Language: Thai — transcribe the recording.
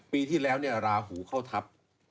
ปีที่แล้วเนี่ยราหูเข้าทัพ